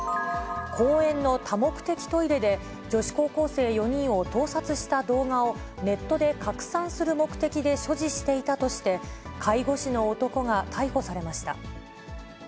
公園の多目的トイレで、女子高校生４人を盗撮した動画をネットで拡散する目的で所持していたとして、介護士の男が逮捕されました。